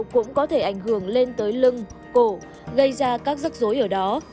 sự lệch trộm cũng có thể ảnh hưởng lên tới lưng cổ gây ra các rắc rối ở đó